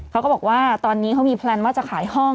เขาก็บอกว่าตอนนี้เขามีแพลนว่าจะขายห้อง